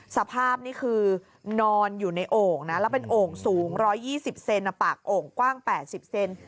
สภาพนี่คือนอนอยู่ในโอ่งนะแล้วเป็นโอ่งสูง๑๒๐เซนปากโอ่งกว้าง๘๐เซน